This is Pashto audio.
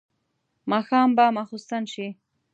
ماښام به ماخستن شي.